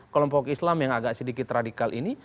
kelompok islam yang agak sedikit radikal ini